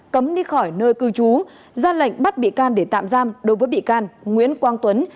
cấm đi khỏi nơi cư trú ra lệnh bắt bị can để tạm giam đối với bị can nguyễn quang tuấn